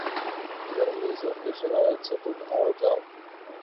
گرمیِ ذوقِ شرارت سے تُم آؤ جاؤ